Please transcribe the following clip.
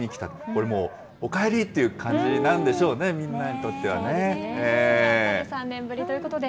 これ、もうおかえりっていう感じなんでしょうね、みんなにとってはね。